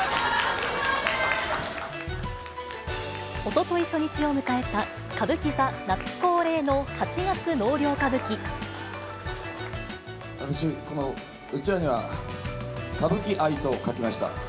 おととい初日を迎えた、私、このうちわには、歌舞伎愛と書きました。